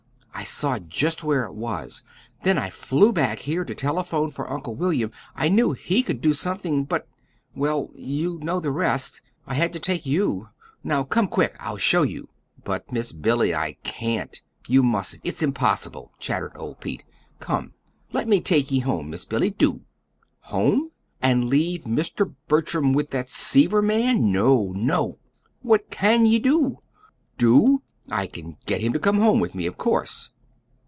I saw just where it was, then I flew back here to telephone for Uncle William. I knew HE could do something. But well, you know the rest. I had to take you. Now come, quick; I'll show you." "But, Miss Billy, I can't! You mustn't; it's impossible," chattered old Pete. "Come, let me take ye home, Miss Billy, do!" "Home and leave Mr. Bertram with that Seaver man? No, no!" "What CAN ye do?" "Do? I can get him to come home with me, of course."